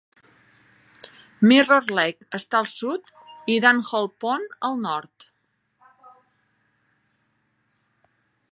Mirror Lake està al sud i Dan Hole Pond al nord.